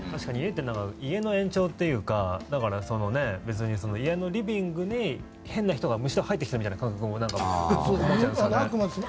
家の延長というか別に家のリビングに変な人が入ってきたみたいな感覚で思っちゃうんですよね。